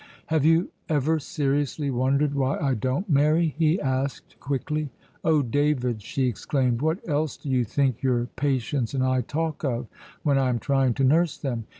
"Have you ever seriously wondered why I don't marry?" he asked quickly. "Oh, David," she exclaimed, "what else do you think your patients and I talk of when I am trying to nurse them?